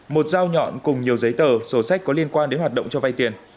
một dao nhọn cùng nhiều giấy tờ sổ sách có liên quan đến hoạt động cho vay tiền